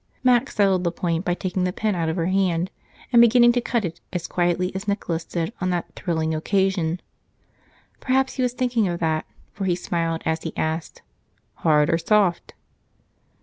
Mac settled the point by taking the pen out of her hand and beginning to cut it, as quietly as Nicholas did on that "thrilling" occasion. Perhaps he was thinking of that, for he smiled as he asked, "Hard or soft?"